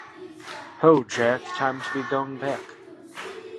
'Ho, Jack, time to be going back.